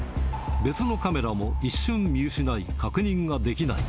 別のカメラも一瞬見失い、確認ができない。